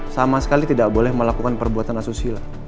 sama sekali tidak boleh melakukan perbuatan asusila